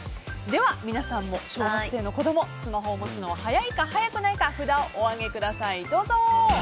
では皆さんも小学生の子供、スマホを持つのは早いか、早くないか札をお上げください。